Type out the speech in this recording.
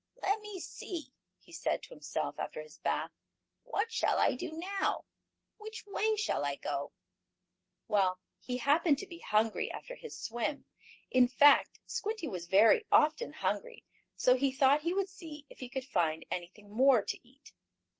"Let me see," he said to himself, after his bath. "What shall I do now? Which way shall I go?" Well, he happened to be hungry after his swim. In fact Squinty was very often hungry, so he thought he would see if he could find anything more to eat.